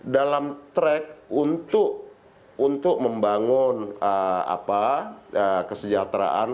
dalam track untuk membangun kesejahteraan